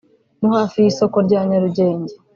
no hafi y’isoko rya Nyarugenge